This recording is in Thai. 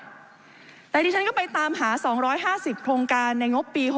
แต่ดิฉันก็ไปตามหา๒๕๐โครงการในงบปี๖๖